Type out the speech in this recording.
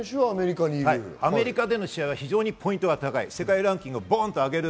アメリカでの試合は非常にポイントが高いんです。